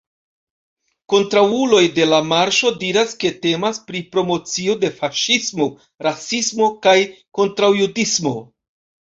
Kontraŭuloj de la Marŝo diras, ke temas pri promocio de faŝismo, rasismo kaj kontraŭjudismo.